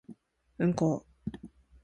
うんこ